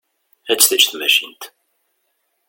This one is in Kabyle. Ad tt-teǧǧ tmacint.